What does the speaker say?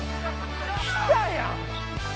来たやん！